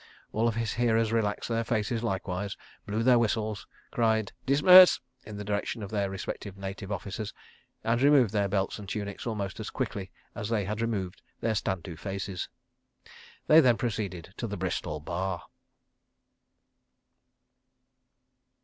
All his hearers relaxed their faces likewise, blew their whistles, cried "Dismiss!" in the direction of their respective Native Officers, and removed their belts and tunics almost as quickly as they had removed their Stand to faces. They then proceeded to the Bristol Bar.